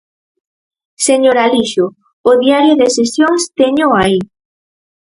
Señor Alixo, o Diario de Sesións téñoo aí.